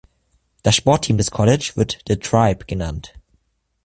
Das Sportteam des College wird "The Tribe" genannt.